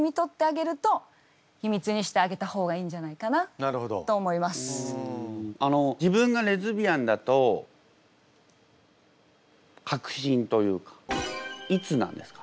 なので自分がレズビアンだと確信というかいつなんですか？